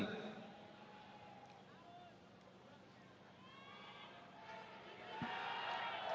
danah abadi dan kemampuan